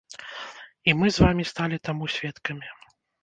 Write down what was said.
І мы з вамі сталі таму сведкамі.